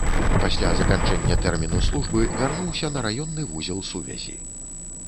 Пасля заканчэння тэрміну службы вярнуўся на раённы вузел сувязі.